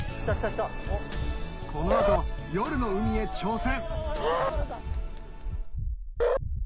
この後夜の海へ挑戦